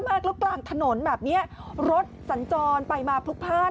มากแล้วกลางถนนแบบนี้รถสัญจรไปมาพลุกพลาด